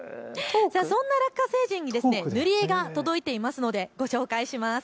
そんなラッカ星人に塗り絵が届いているのでご紹介します。